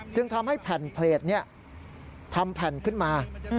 จึงทำให้แผ่นเพลจทำแผ่นขึ้นมา